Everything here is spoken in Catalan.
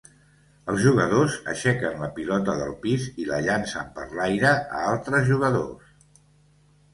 Els jugadors aixequen la pilota del pis i la llancen per l'aire a altres jugadors.